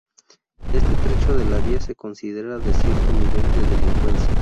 Este trecho de la vía se considera de cierto nivel de delincuencia.